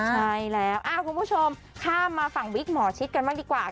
ใช่แล้วคุณผู้ชมข้ามมาฝั่งวิกหมอชิดกันบ้างดีกว่า